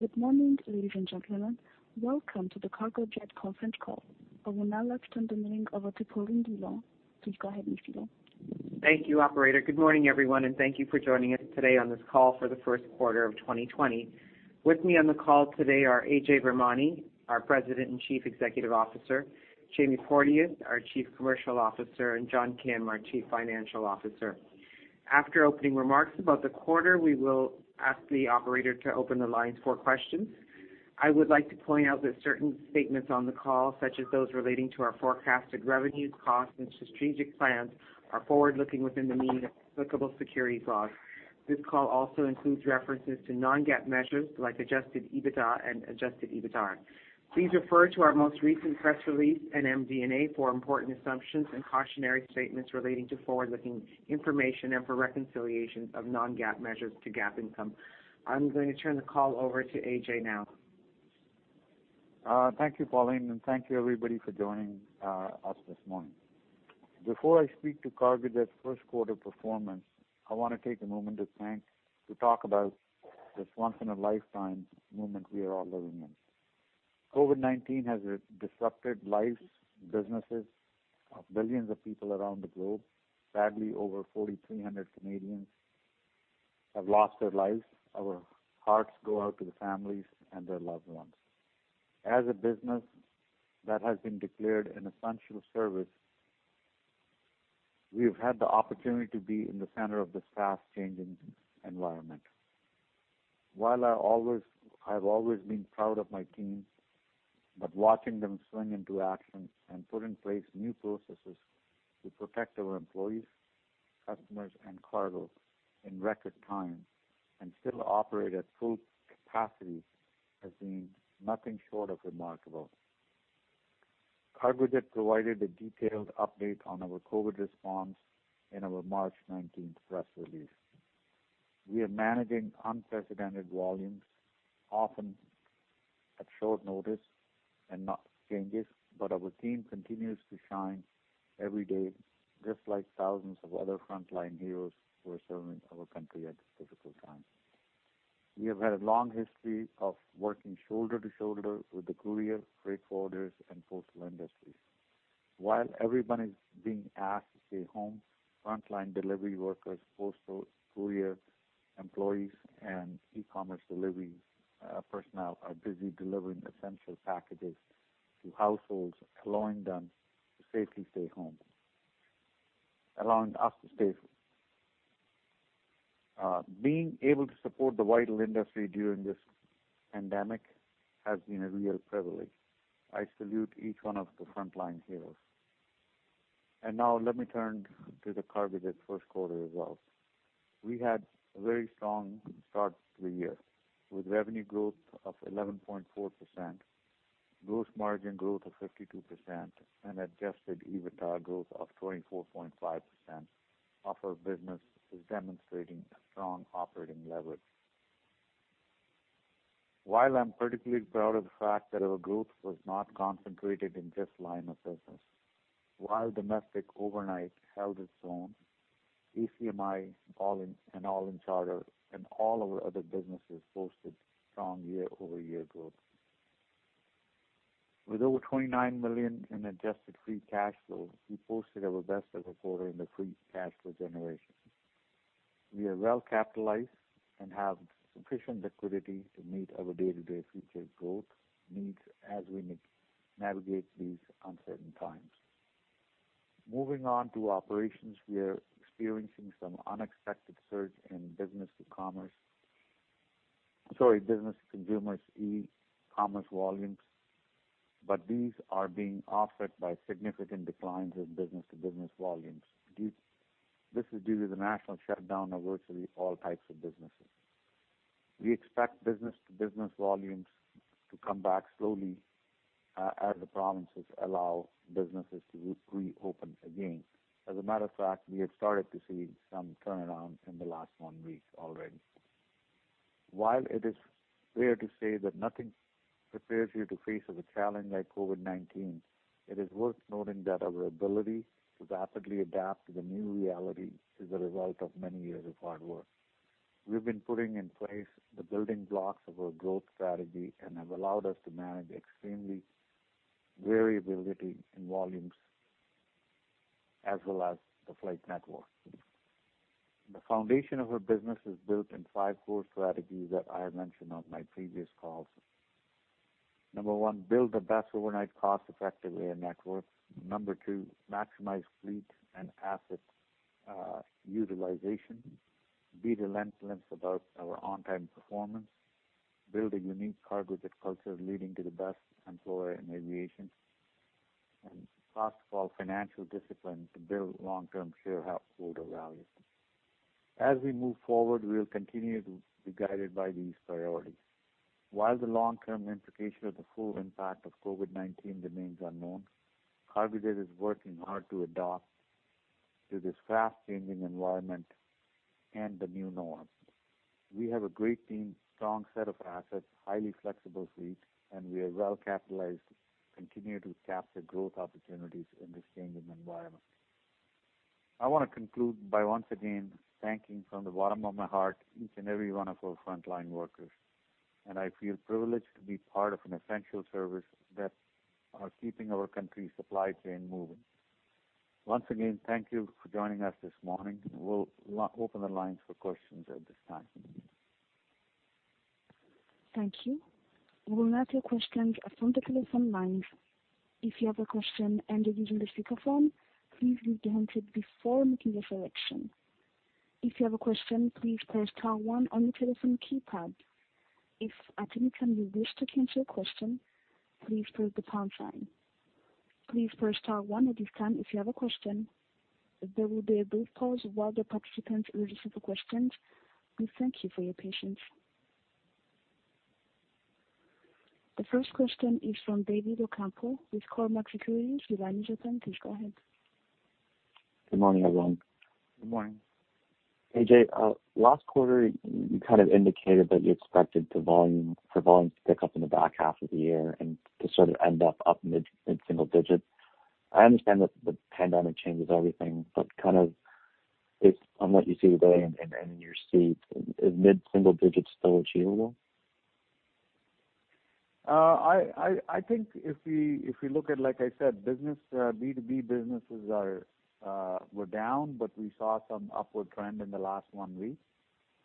Good morning, ladies and gentlemen. Welcome to the Cargojet conference call. I will now like to turn the meeting over to Pauline Dhillon. Please go ahead, Ms. Dhillon. Thank you, operator. Good morning, everyone, and thank you for joining us today on this call for the first quarter of 2020. With me on the call today are Ajay Virmani, our President and Chief Executive Officer, Jamie Porteous, our Chief Commercial Officer, and John Kim, our Chief Financial Officer. After opening remarks about the quarter, we will ask the operator to open the lines for questions. I would like to point out that certain statements on the call, such as those relating to our forecasted revenues, costs, and strategic plans, are forward-looking within the meaning of applicable securities laws. This call also includes references to non-GAAP measures like adjusted EBITDA and adjusted EBITDAR. Please refer to our most recent press release and MD&A for important assumptions and cautionary statements relating to forward-looking information and for reconciliations of non-GAAP measures to GAAP income. I'm going to turn the call over to Ajay now. Thank you, Pauline, and thank you, everybody, for joining us this morning. Before I speak to Cargojet's first quarter performance, I want to take a moment to talk about this once-in-a-lifetime moment we are all living in. COVID-19 has disrupted lives and businesses of billions of people around the globe. Sadly, over 4,300 Canadians have lost their lives. Our hearts go out to the families and their loved ones. As a business that has been declared an essential service, we've had the opportunity to be in the center of this fast-changing environment. While I've always been proud of my team, watching them swing into action and put in place new processes to protect our employees, customers, and cargo in record time and still operate at full capacity has been nothing short of remarkable. Cargojet provided a detailed update on our COVID response in our March 19th press release. We are managing unprecedented volumes, often at short notice and not changes, but our team continues to shine every day, just like thousands of other frontline heroes who are serving our country at this difficult time. We have had a long history of working shoulder to shoulder with the courier, freight forwarders, and postal industries. While everyone is being asked to stay home, frontline delivery workers, postal courier employees, and e-commerce delivery personnel are busy delivering essential packages to households, allowing us to stay home. Being able to support the vital industry during this pandemic has been a real privilege. I salute each one of the frontline heroes. Now let me turn to the Cargojet first quarter results. We had a very strong start to the year, with revenue growth of 11.4%, gross margin growth of 52%, and adjusted EBITDAR growth of 24.5%. Our business is demonstrating a strong operating leverage. I'm particularly proud of the fact that our growth was not concentrated in just line of business. Domestic overnight held its own, ACMI, and all-in charter, and all our other businesses posted strong year-over-year growth. With over 29 million in Adjusted Free Cash Flow, we posted our best ever quarter in the free cash flow generation. We are well capitalized and have sufficient liquidity to meet our day-to-day future growth needs as we navigate these uncertain times. Moving on to operations, we are experiencing some unexpected surge in business-to-consumer e-commerce volumes, but these are being offset by significant declines in business-to-business volumes. This is due to the national shutdown of virtually all types of businesses. We expect business-to-business volumes to come back slowly, as the provinces allow businesses to reopen again. As a matter of fact, we have started to see some turnarounds in the last one week already. While it is fair to say that nothing prepares you to face as a challenge like COVID-19, it is worth noting that our ability to rapidly adapt to the new reality is a result of many years of hard work. We've been putting in place the building blocks of our growth strategy and have allowed us to manage extremely variability in volumes as well as the flight network. The foundation of our business is built in five core strategies that I have mentioned on my previous calls. Number one, build the best overnight cost-effective air network. Number two, maximize fleet and asset utilization. Be relentless about our on-time performance. Build a unique Cargojet culture leading to the best employer in aviation. Last of all, financial discipline to build long-term shareholder value. As we move forward, we'll continue to be guided by these priorities. While the long-term implication of the full impact of COVID-19 remains unknown, Cargojet is working hard to adapt to this fast-changing environment and the new norm. We have a great team, strong set of assets, highly flexible fleet, and we are well capitalized to continue to capture growth opportunities in this changing environment. I want to conclude by once again thanking from the bottom of my heart, each and every one of our frontline workers. I feel privileged to be part of an essential service that are keeping our country's supply chain moving. Once again, thank you for joining us this morning. We'll open the lines for questions at this time. Thank you. We will now take questions from the telephone lines. If you have a question and are using the speakerphone, please mute the handset before making a selection. If you have a question, please press star one on your telephone keypad. If at any time you wish to cancel your question, please press the pound sign. Please press star one at this time if you have a question. There will be a brief pause while the participants ready for questions. We thank you for your patience. The first question is from David Ocampo with Cormark Securities. Your line is open. Please go ahead. Good morning, everyone. Good morning. Ajay, last quarter, you indicated that you expected the volume to pick up in the back half of the year and to end up mid-single digits. I understand that the pandemic changes everything, but based on what you see today and in your seat, is mid-single digits still achievable? I think if we look at, like I said, B2B businesses were down, but we saw some upward trend in the last one week.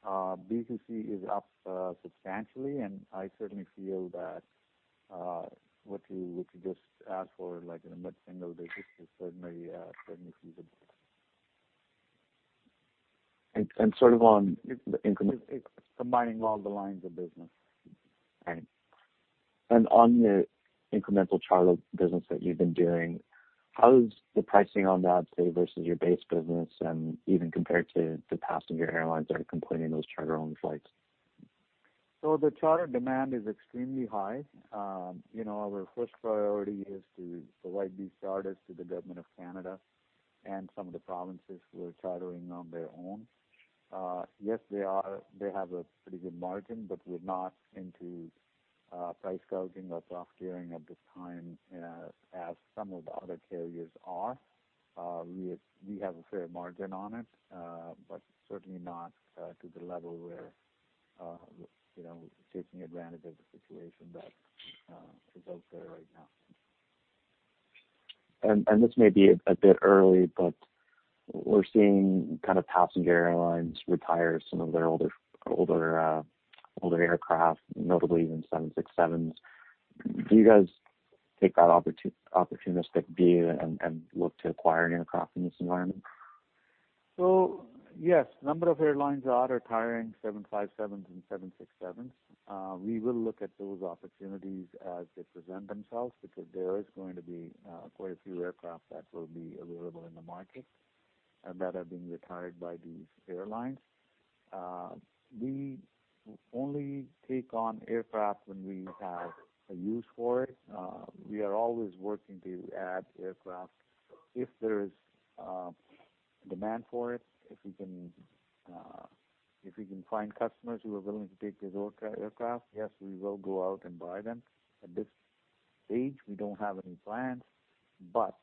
B2C is up substantially, and I certainly feel that what you just asked for, like in the mid-single digits, is certainly feasible. And on- It's combining all the lines of business. On the incremental charter business that you've been doing, how's the pricing on that, say, versus your base business and even compared to passenger airlines that are completing those charter-only flights? The charter demand is extremely high. Our first priority is to provide these charters to the government of Canada and some of the provinces who are chartering on their own. Yes, they have a pretty good margin, but we're not into price gouging or profiteering at this time as some of the other carriers are. We have a fair margin on it, but certainly not to the level where taking advantage of the situation that is out there right now. This may be a bit early. We're seeing passenger airlines retire some of their older aircraft, notably even 767s. Do you guys take that opportunistic view and look to acquire an aircraft in this environment? Yes, number of airlines are retiring 757s and 767s. We will look at those opportunities as they present themselves because there is going to be quite a few aircraft that will be available in the market that have been retired by these airlines. We only take on aircraft when we have a use for it. We are always working to add aircraft if there is demand for it. If we can find customers who are willing to take these aircraft, yes, we will go out and buy them. At this stage, we don't have any plans, but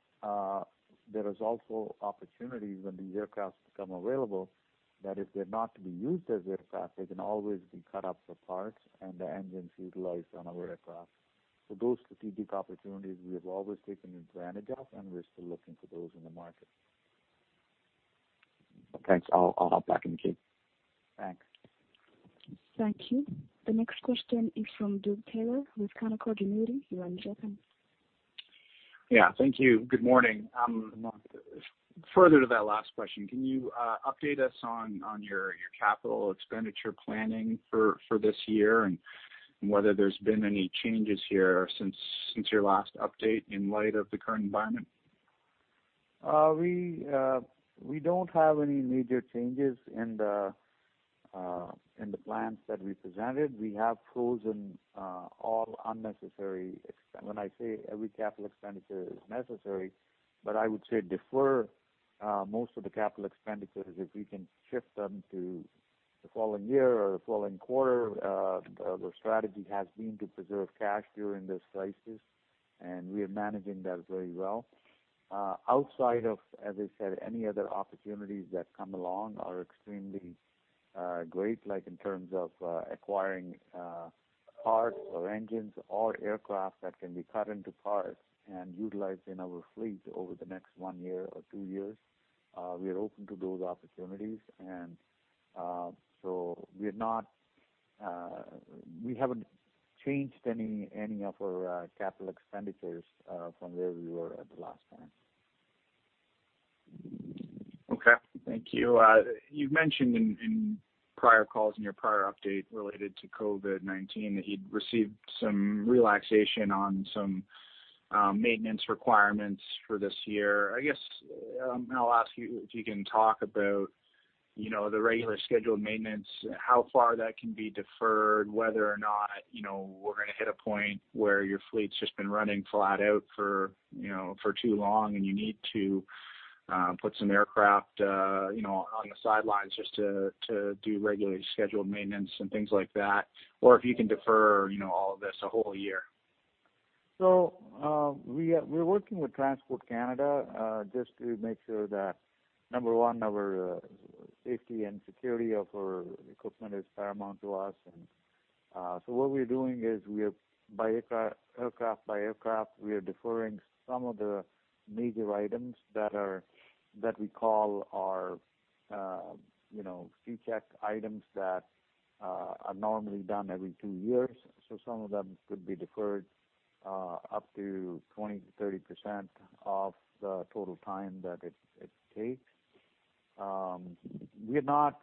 there is also opportunities when these aircraft become available that if they're not to be used as aircraft, they can always be cut up for parts and the engines utilized on our aircraft. Those strategic opportunities, we have always taken advantage of, and we're still looking for those in the market. Thanks. I'll hop back in the queue. Thanks. Thank you. The next question is from Doug Taylor with Canaccord Genuity. Your line is open. Yeah. Thank you. Good morning. Good morning. Further to that last question, can you update us on your capital expenditure planning for this year, and whether there's been any changes here since your last update in light of the current environment? We don't have any major changes in the plans that we presented. We have frozen all when I say every capital expenditure is necessary, but I would say defer most of the capital expenditures if we can shift them to the following year or the following quarter. The strategy has been to preserve cash during this crisis, and we are managing that very well. Outside of, as I said, any other opportunities that come along are extremely great, like in terms of acquiring parts or engines or aircraft that can be cut into parts and utilized in our fleet over the next one year or two years. We are open to those opportunities. We haven't changed any of our capital expenditures from where we were at the last time. Okay. Thank you. You've mentioned in prior calls, in your prior update related to COVID-19, that you'd received some relaxation on some maintenance requirements for this year. I guess, and I'll ask you if you can talk about the regular scheduled maintenance, how far that can be deferred, whether or not we're going to hit a point where your fleet's just been running flat out for too long and you need to put some aircraft on the sidelines just to do regularly scheduled maintenance and things like that. If you can defer all of this a whole year. We're working with Transport Canada, just to make sure that, number one, our safety and security of our equipment is paramount to us. What we're doing is we are, aircraft by aircraft, we are deferring some of the major items that we call our C Check items that are normally done every two years. Some of them could be deferred up to 20%-30% of the total time that it takes. We're not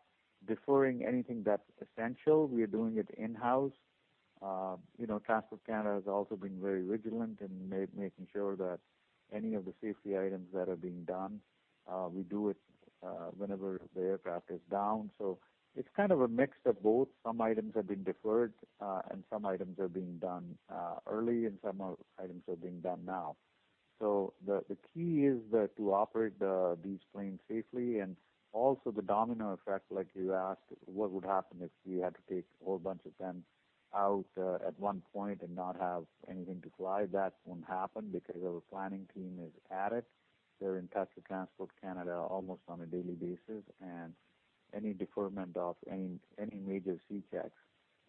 deferring anything that's essential. We are doing it in-house. Transport Canada has also been very vigilant in making sure that any of the safety items that are being done, we do it whenever the aircraft is down. It's kind of a mix of both. Some items have been deferred, and some items are being done early, and some items are being done now. The key is that to operate these planes safely and also the domino effect, like you asked, what would happen if we had to take a whole bunch of them out at one point and not have anything to fly? That won't happen because our planning team is at it. They're in touch with Transport Canada almost on a daily basis, and any deferment of any major C Checks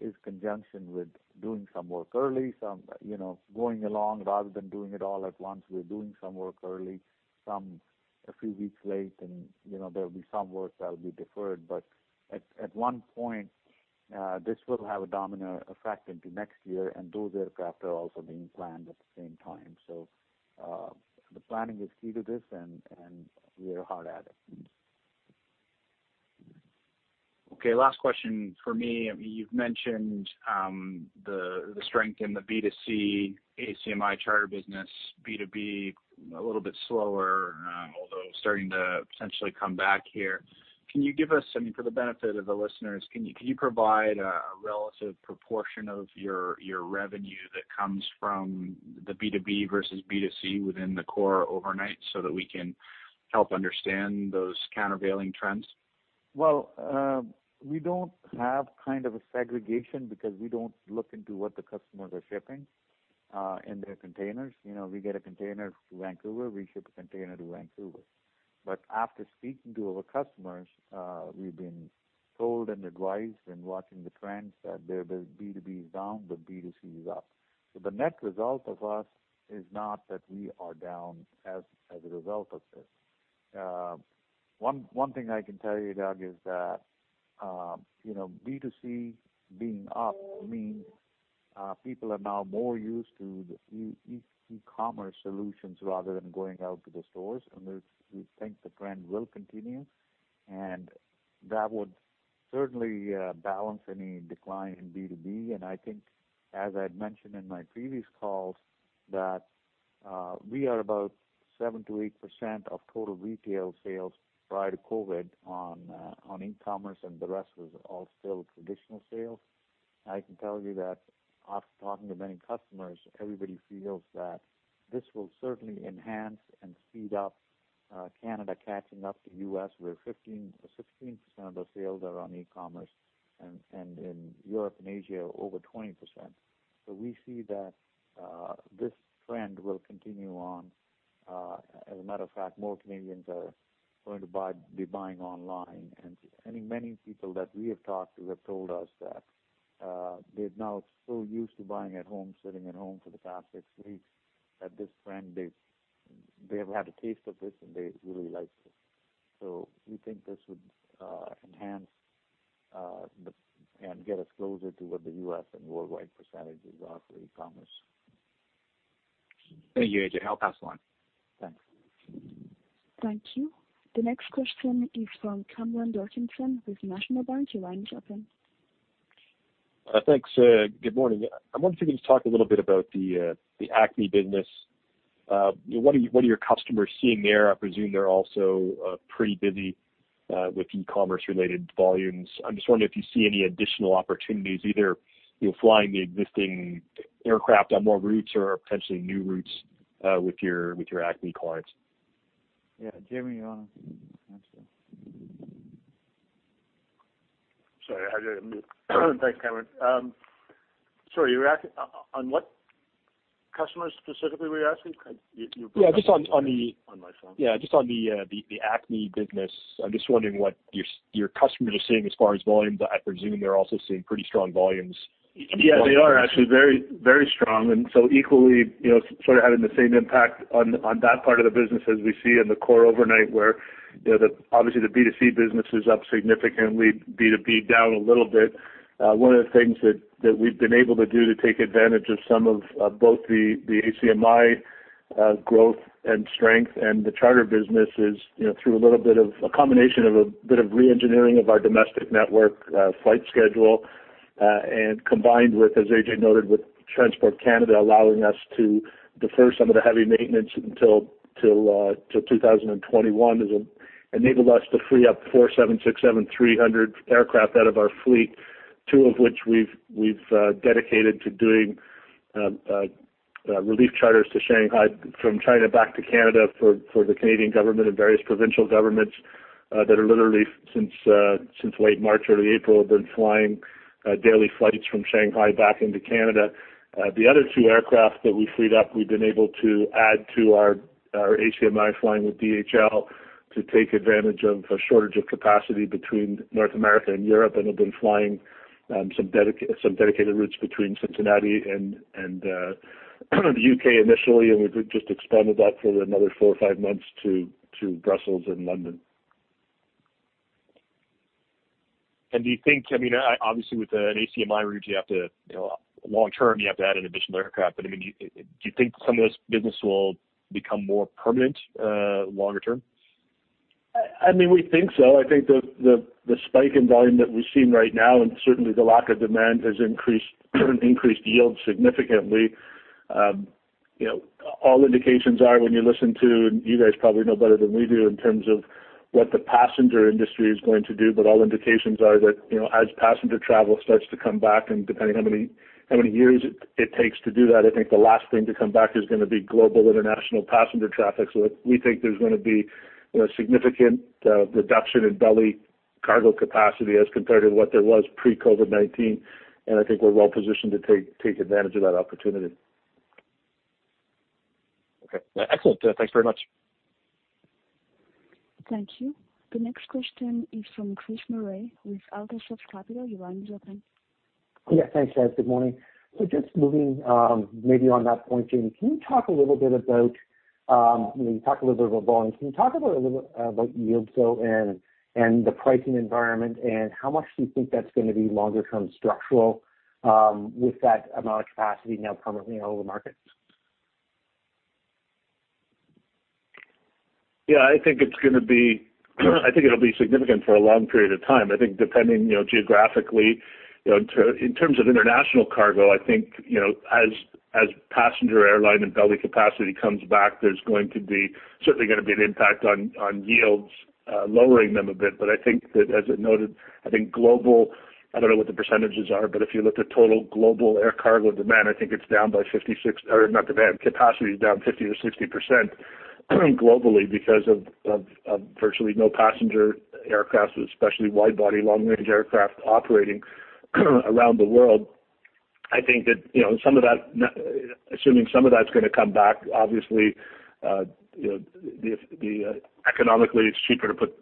is conjunctioned with doing some work early, going along rather than doing it all at once. We're doing some work early, some a few weeks late, and there'll be some work that'll be deferred. At one point, this will have a domino effect into next year, and those aircraft are also being planned at the same time. The planning is key to this, and we are hard at it. Okay, last question for me. You've mentioned the strength in the B2C ACMI charter business, B2B, a little bit slower, although starting to potentially come back here. Can you give us, for the benefit of the listeners, can you provide a relative proportion of your revenue that comes from the B2B versus B2C within the core overnight so that we can help understand those countervailing trends? Well, we don't have kind of a segregation because we don't look into what the customers are shipping in their containers. We get a container to Vancouver, we ship a container to Vancouver. After speaking to our customers, we've been told and advised and watching the trends that B2B is down, but B2C is up. The net result of us is not that we are down as a result of this. One thing I can tell you, Doug, is that B2C being up means people are now more used to the e-commerce solutions rather than going out to the stores. We think the trend will continue, and that would certainly balance any decline in B2B. I think, as I had mentioned in my previous calls, that we are about 7%-8% of total retail sales prior to COVID on e-commerce, and the rest was all still traditional sales. I can tell you that after talking to many customers, everybody feels that this will certainly enhance and speed up Canada catching up to U.S., where 15% or 16% of sales are on e-commerce, and in Europe and Asia, over 20%. We see that this trend will continue on. As a matter of fact, more Canadians are going to be buying online. Many people that we have talked to have told us that they're now so used to buying at home, sitting at home for the past six weeks, that this trend, they've had a taste of this and they really like it. We think this would enhance and get us closer to what the U.S. and worldwide percentages are for e-commerce. Thank you, Ajay. I'll pass it on. Thanks. Thank you. The next question is from Cameron Doerksen with National Bank. Your line is open. Thanks. Good morning. I'm wondering if you could talk a little bit about the ACMI business. What are your customers seeing there? I presume they're also pretty busy with e-commerce related volumes. I'm just wondering if you see any additional opportunities, either flying the existing aircraft on more routes or potentially new routes with your ACMI clients. Yeah. Jamie, you're on. Answer. Sorry, Ajay. I'm mute. Thanks, Cameron. Sorry, on what customer specifically were you asking? You broke up. Yeah, just on the- On my phone. Yeah, just on the ACMI business. I'm just wondering what your customers are seeing as far as volumes. I presume they're also seeing pretty strong volumes. Yeah, they are actually very strong and so equally, sort of having the same impact on that part of the business as we see in the core overnight, where obviously the B2C business is up significantly, B2B down a little bit. One of the things that we've been able to do to take advantage of some of both the ACMI growth and strength and the charter business is through a little bit of a combination of a bit of re-engineering of our domestic network flight schedule, and combined with, as Ajay noted, with Transport Canada allowing us to defer some of the heavy maintenance until 2021, has enabled us to free up four 767-300 aircraft out of our fleet, two of which we've dedicated to doing relief charters to Shanghai, from China back to Canada for the Canadian government and various provincial governments, that are literally, since late March, early April, have been flying daily flights from Shanghai back into Canada. The other two aircraft that we freed up, we've been able to add to our ACMI flying with DHL to take advantage of a shortage of capacity between North America and Europe, and have been flying some dedicated routes between Cincinnati and the U.K. initially, and we've just expanded that for another four or five months to Brussels and London. Obviously, with an ACMI route, long term, you have to add an additional aircraft. Do you think some of this business will become more permanent longer term? We think so. I think the spike in volume that we're seeing right now, and certainly the lack of demand has increased yields significantly. All indications are when you listen to, you guys probably know better than we do in terms of what the passenger industry is going to do, but all indications are that as passenger travel starts to come back and depending how many years it takes to do that, I think the last thing to come back is going to be global international passenger traffic. We think there's going to be a significant reduction in belly cargo capacity as compared to what there was pre-COVID-19, and I think we're well positioned to take advantage of that opportunity. Okay. Excellent. Thanks very much. Thank you. The next question is from Chris Murray with AltaCorp Capital. Your line is open. Yeah, thanks, guys. Good morning. Just moving maybe on that point, Jamie, you talked a little bit about volume. Can you talk a little bit about yields though, and the pricing environment, and how much do you think that's going to be longer term structural with that amount of capacity now permanently out of the market? Yeah, I think it'll be significant for a long period of time. I think depending geographically, in terms of international cargo, I think as passenger airline and belly capacity comes back, there's certainly going to be an impact on yields, lowering them a bit. I think that as I noted, I think global, I don't know what the percentages are, but if you look at total global air cargo demand, I think it's down by 56 Or not demand. Capacity is down 50%-60% globally because of virtually no passenger aircraft, especially wide-body, long-range aircraft operating around the world. I think that assuming some of that's going to come back, obviously, economically, it's cheaper to put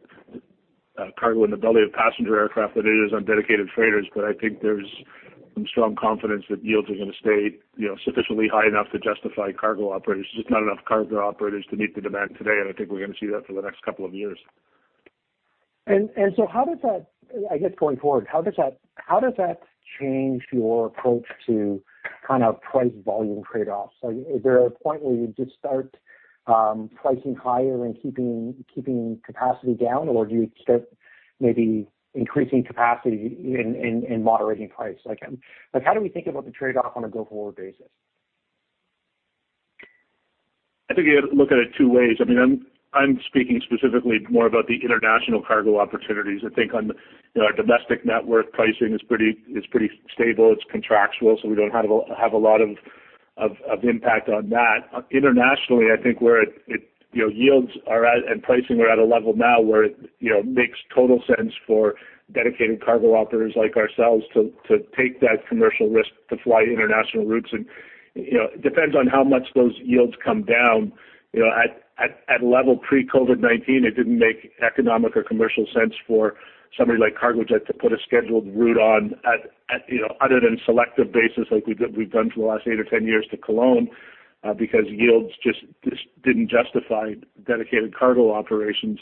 cargo in the belly of passenger aircraft than it is on dedicated freighters. I think there's some strong confidence that yields are going to stay sufficiently high enough to justify cargo operators. There's just not enough cargo operators to meet the demand today, and I think we're going to see that for the next couple of years. I guess going forward, how does that change your approach to price volume trade-offs? Is there a point where you just start pricing higher and keeping capacity down, or do you start maybe increasing capacity and moderating price? How do we think about the trade-off on a go forward basis? I think you have to look at it two ways. I'm speaking specifically more about the international cargo opportunities. I think on our domestic network, pricing is pretty stable. It's contractual, we don't have a lot of impact on that. Internationally, I think yields and pricing are at a level now where it makes total sense for dedicated cargo operators like ourselves to take that commercial risk to fly international routes. It depends on how much those yields come down. At level pre-COVID-19, it didn't make economic or commercial sense for somebody like Cargojet to put a scheduled route on, other than selective basis like we've done for the last eight or 10 years to Cologne, because yields just didn't justify dedicated cargo operations.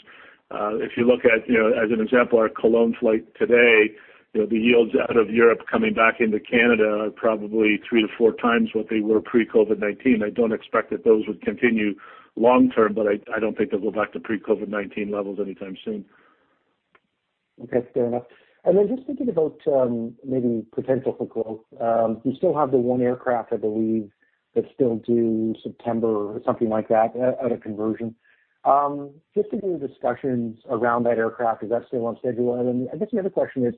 If you look at, as an example, our Cologne flight today, the yields out of Europe coming back into Canada are probably three to four times what they were pre-COVID-19. I don't expect that those would continue long term, but I don't think they'll go back to pre-COVID-19 levels anytime soon. Okay. Fair enough. Just thinking about maybe potential for growth. You still have the one aircraft, I believe, that's still due September or something like that at a conversion. Just thinking of discussions around that aircraft, is that still on schedule? I guess the other question is,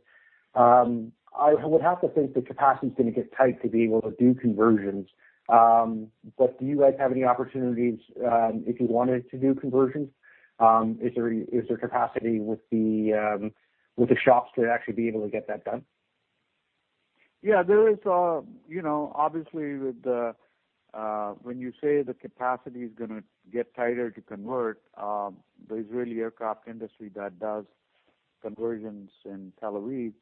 I would have to think the capacity's going to get tight to be able to do conversions. Do you guys have any opportunities if you wanted to do conversions? Is there capacity with the shops to actually be able to get that done? Obviously, when you say the capacity's going to get tighter to convert, the Israel Aircraft Industries that does conversions in Tel Aviv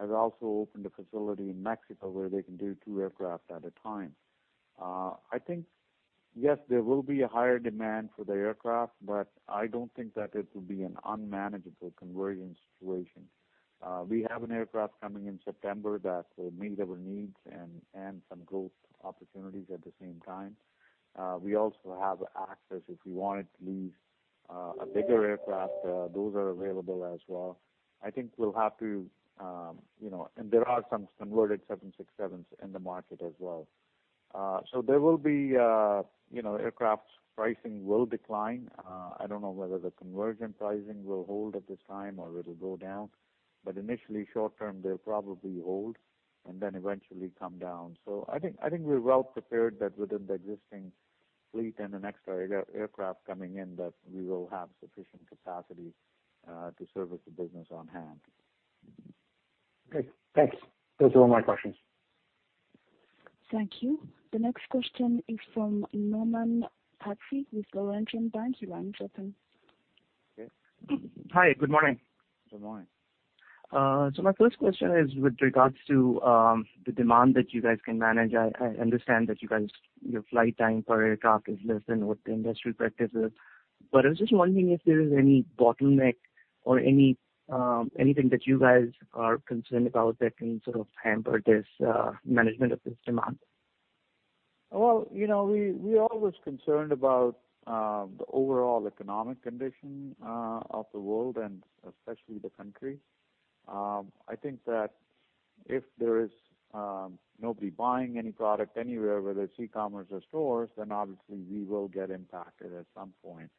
has also opened a facility in Mexico where they can do two aircraft at a time. I think, yes, there will be a higher demand for the aircraft, but I don't think that it will be an unmanageable conversion situation. We have an aircraft coming in September that will meet our needs and some growth opportunities at the same time. We also have access if we wanted to lease a bigger aircraft. Those are available as well. There are some converted 767s in the market as well. Aircraft pricing will decline. I don't know whether the conversion pricing will hold at this time or it'll go down. Initially, short term, they'll probably hold and then eventually come down. I think we're well prepared that within the existing fleet and the next aircraft coming in, that we will have sufficient capacity to service the business on hand. Okay, thanks. Those are all my questions. Thank you. The next question is from Norman Patsy with Laurentian Bank. Your line's open. Okay. Hi, good morning. Good morning. My first question is with regards to the demand that you guys can manage. I understand that your flight time per aircraft is less than what the industry practice is. I was just wondering if there is any bottleneck or anything that you guys are concerned about that can sort of hamper this management of this demand? We're always concerned about the overall economic condition of the world and especially the country. I think that if there is nobody buying any product anywhere, whether it's e-commerce or stores, obviously we will get impacted at some point.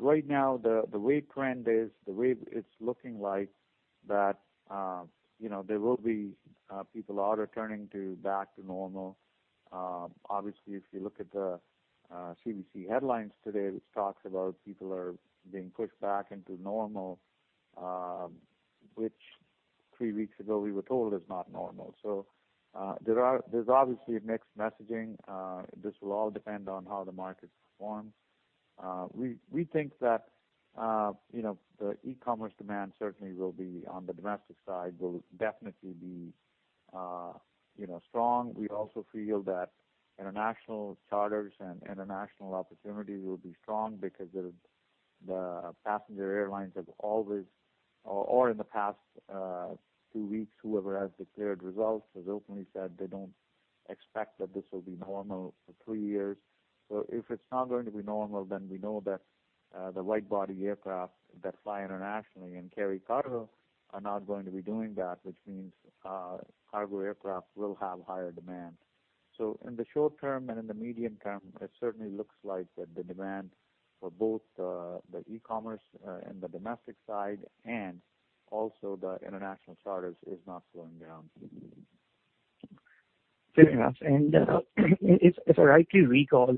Right now, the way trend is, the way it's looking like that there will be people are returning back to normal. Obviously, if you look at the CBC headlines today, which talks about people are being pushed back into normal, which three weeks ago we were told is not normal. There's obviously a mixed messaging. This will all depend on how the market performs. We think that the e-commerce demand certainly will be, on the domestic side, will definitely be strong. We also feel that international charters and international opportunities will be strong because the passenger airlines have always, or in the past two weeks, whoever has declared results, has openly said they don't expect that this will be normal for three years. If it's not going to be normal, then we know that the wide-body aircraft that fly internationally and carry cargo are not going to be doing that, which means cargo aircraft will have higher demand. In the short term and in the medium term, it certainly looks like that the demand for both the e-commerce and the domestic side and also the international charters is not slowing down. Fair enough. If I rightly recall,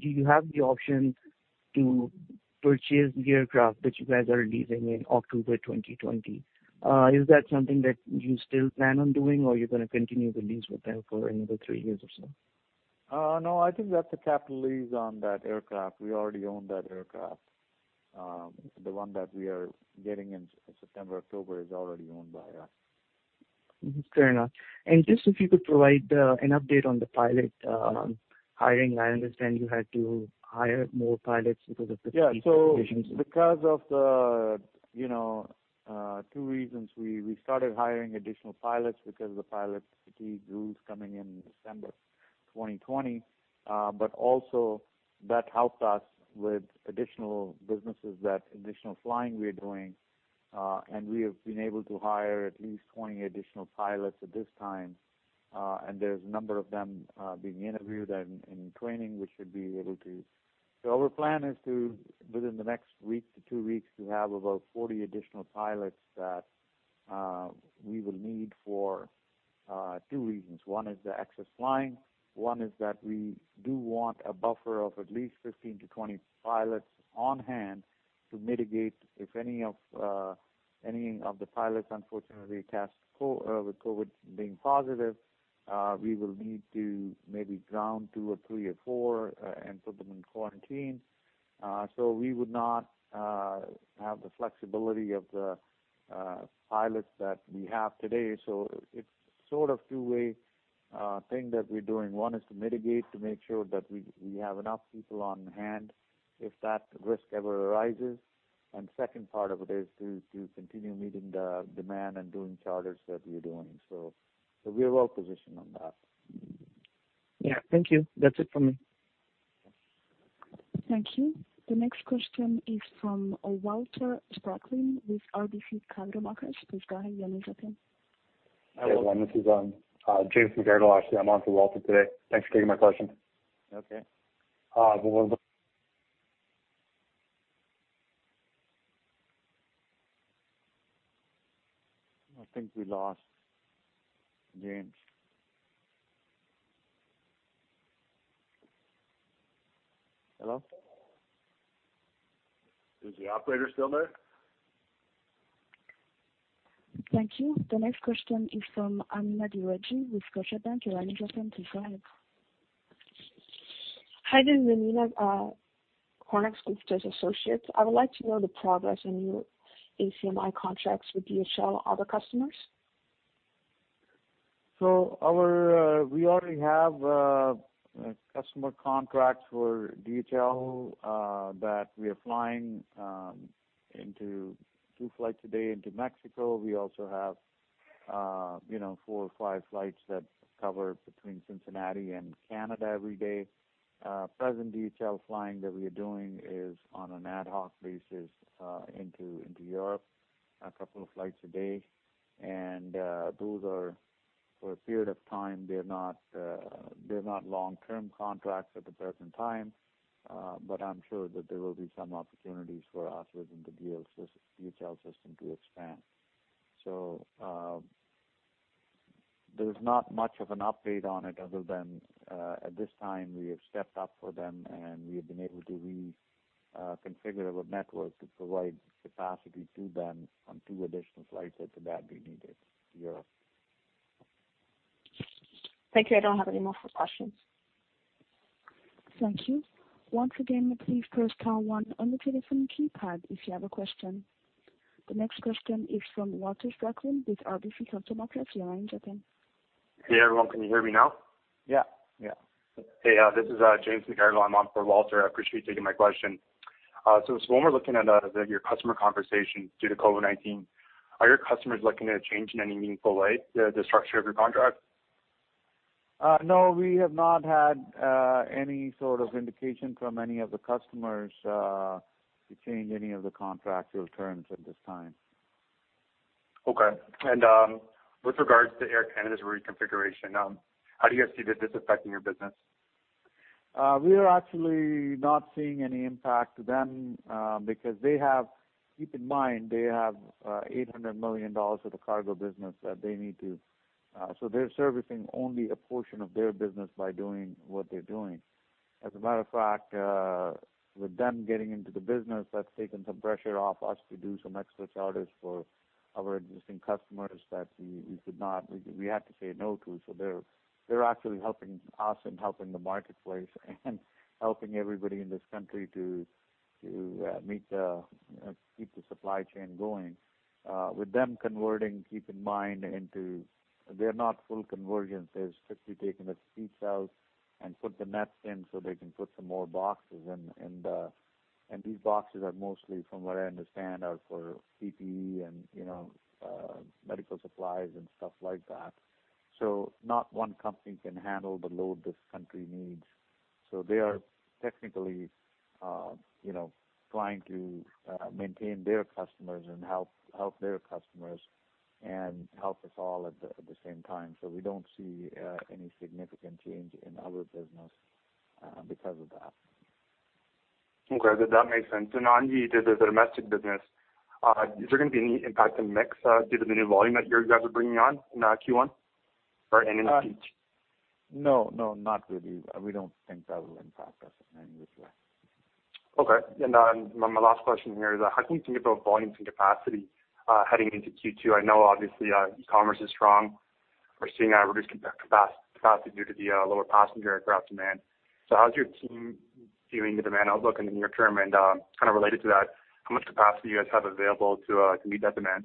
do you have the option to purchase the aircraft that you guys are leasing in October 2020? Is that something that you still plan on doing or you're going to continue the lease with them for another three years or so? No, I think that's a capital lease on that aircraft. We already own that aircraft. The one that we are getting in September, October is already owned by us. Fair enough. Just if you could provide an update on the pilot hiring. I understand you had to hire more pilots because of the fatigue provisions. Because of two reasons, we started hiring additional pilots because of the pilot fatigue rules coming in December 2020. Also that helped us with additional businesses, that additional flying we are doing. We have been able to hire at least 20 additional pilots at this time. There's a number of them being interviewed and in training. Our plan is to, within the next week to two weeks, to have about 40 additional pilots that we will need for two reasons. One is the excess flying, one is that we do want a buffer of at least 15 to 20 pilots on hand to mitigate if any of the pilots unfortunately test with COVID being positive, we will need to maybe ground two or three or four, and put them in quarantine. We would not have the flexibility of the pilots that we have today. It's sort of two-way thing that we're doing. One is to mitigate, to make sure that we have enough people on hand if that risk ever arises. Second part of it is to continue meeting the demand and doing charters that we are doing. We are well positioned on that. Yeah. Thank you. That's it for me. Thank you. The next question is from Walter Spracklin with RBC Capital Markets. Please go ahead. Your line is open. Hi, everyone. This is James from RBC. Actually, I'm on for Walter today. Thanks for taking my question. Okay. We'll- I think we lost James. Hello? Is the operator still there? Thank you. The next question is from Amina Djirdeh with Scotiabank. Your line is open. Please go ahead. Hi, this is Amina, Konark Gupta's Associate. I would like to know the progress in your ACMI contracts with DHL, other customers. We already have a customer contract for DHL that we are flying two flights a day into Mexico. We also have four or five flights that cover between Cincinnati and Canada every day. Present DHL flying that we are doing is on an ad hoc basis into Europe, a couple of flights a day. Those are for a period of time. They're not long-term contracts at the present time. I'm sure that there will be some opportunities for us within the DHL system to expand. There's not much of an update on it other than, at this time, we have stepped up for them and we have been able to reconfigure our network to provide capacity to them on two additional flights that they badly needed to Europe. Thank you. I don't have any more further questions. Thank you. Once again, please press star one on your telephone keypad if you have a question. The next question is from Walter Spracklin with RBC Capital Markets. Your line is open. Hey, everyone. Can you hear me now? Yeah. Hey, this is James McGarragle. I'm on for Walter. Appreciate you taking my question. When we're looking at your customer conversation due to COVID-19, are your customers looking to change in any meaningful way the structure of your contract? No. We have not had any sort of indication from any of the customers to change any of the contractual terms at this time. Okay. With regards to Air Canada's reconfiguration, how do you guys see this affecting your business? We are actually not seeing any impact to them, because keep in mind, they have 800 million dollars of the cargo business. They're servicing only a portion of their business by doing what they're doing. As a matter of fact, with them getting into the business, that's taken some pressure off us to do some extra charters for our existing customers that we had to say no to. They're actually helping us and helping the marketplace and helping everybody in this country to keep the supply chain going. With them converting, keep in mind, they're not full conversions. They've strictly taken the seat shells and put the nets in so they can put some more boxes in. These boxes are mostly, from what I understand, are for PPE and medical supplies and stuff like that. Not one company can handle the load this country needs. They are technically trying to maintain their customers and help their customers and help us all at the same time. We don't see any significant change in our business because of that. Okay. That makes sense. On the domestic business, is there going to be any impact to mix due to the new volume that you guys are bringing on in Q1? No, not really. We don't think that will impact us in any which way. Okay. My last question here is, how do you think about volumes and capacity heading into Q2? I know obviously, e-commerce is strong. We're seeing a reduced capacity due to the lower passenger aircraft demand. How's your team viewing the demand outlook in the near term, and kind of related to that, how much capacity you guys have available to meet that demand?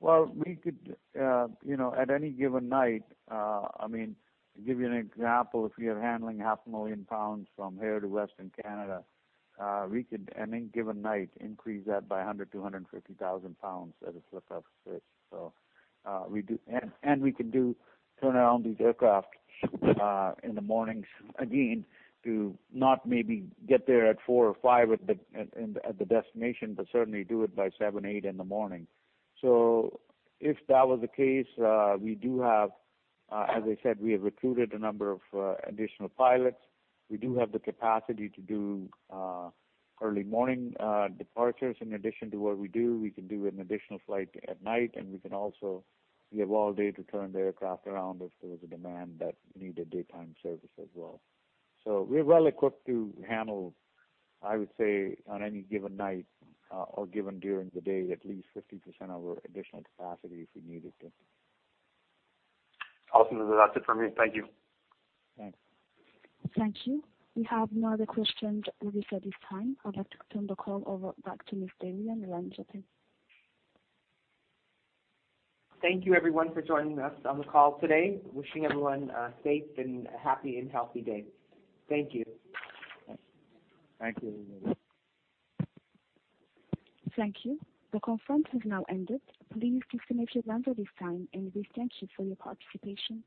Well, at any given night, to give you an example, if we are handling half a million pounds from here to Western Canada, we could, at any given night, increase that by 100,000 pounds-150,000 pounds at a flip of a switch. We can turn around these aircraft in the mornings again to not maybe get there at 4:00 A.M. or 5:00 A.M. at the destination, but certainly do it by 7:00 A.M., 8:00 A.M. in the morning. If that was the case, as I said, we have recruited a number of additional pilots. We do have the capacity to do early morning departures in addition to what we do. We can do an additional flight at night, and we have all day to turn the aircraft around if there was a demand that needed daytime service as well. We're well equipped to handle, I would say, on any given night or given during the day, at least 50% of our additional capacity if we needed to. Awesome. That's it from me. Thank you. Thanks. Thank you. We have no other questions with us at this time. I'd like to turn the call over back to Ms. Dhillon. Your line is open. Thank you everyone for joining us on the call today. Wishing everyone a safe and happy and healthy day. Thank you. Thank you. Thank you. The conference has now ended. Please disconnect your lines at this time, and we thank you for your participation.